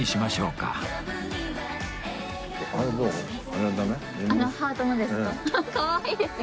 かわいいですね。